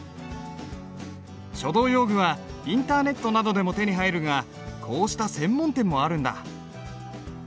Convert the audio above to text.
書道用具はインターネットなどでも手に入るがこうした専門店もあるんだ。